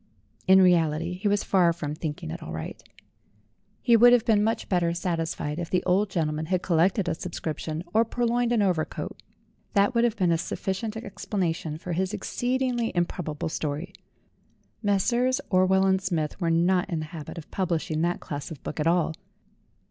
In reality, he was far from thinking it all right. 152 STORIES WITHOUT TEARS He would have been much better satisfied if the old gentleman had collected a subscription or purloined an overcoat. That would have been a sufficient explana tion of his exceedingly improbable story. Messrs. Orwell and Smith were not in the habit of publishing that class of book at all.